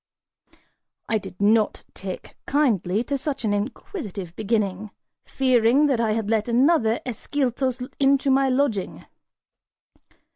I did not take kindly to such an inquisitive beginning, fearing that I had let another Ascyltos into my lodging.